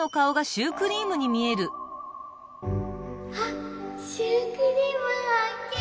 あっシュークリームはっけん！